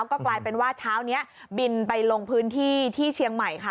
ก็กลายเป็นว่าเช้านี้บินไปลงพื้นที่ที่เชียงใหม่ค่ะ